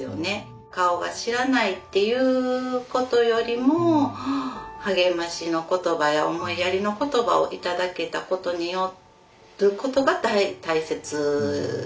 顔が知らないっていうことよりも励ましの言葉や思いやりの言葉を頂けたことによることが大切でしたね。